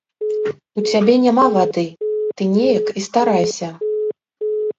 У цябе няма вады, ты неяк і старайся.